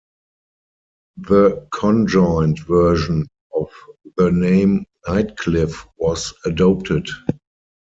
The conjoint version of the name, "Nightcliff" was adopted.